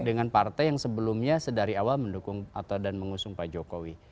dengan partai yang sebelumnya sedari awal mendukung atau dan mengusung pak jokowi